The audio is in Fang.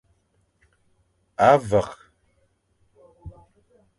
A vek.